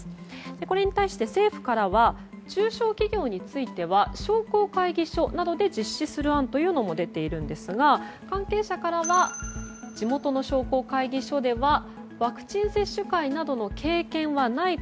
これに対して、政府からは中小企業については商工会議所などで実施する案が出ているんですが関係者からは地元の商工会議所ではワクチン接種会などの経験はないと。